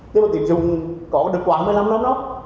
nhưng mà tiền dùng có được quá một mươi năm năm đó